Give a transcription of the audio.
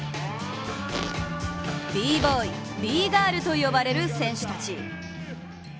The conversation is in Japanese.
Ｂ−Ｂｏｙ、Ｂ−Ｇｉｒｌと呼ばれる選手たち。